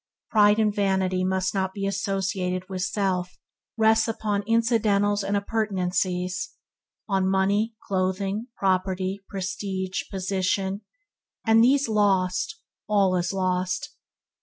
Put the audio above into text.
Pride and vanity must not be associated with self rests upon incidentals and appurtenances – on money, clothing, property, prestige, position and these lost, all is lost.